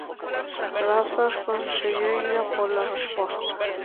Grazas, conselleira, pola resposta.